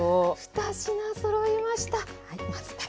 ２品そろいました。